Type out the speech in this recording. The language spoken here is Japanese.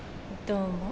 どうも。